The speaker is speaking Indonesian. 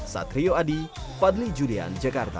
satrio adi fadli julian jakarta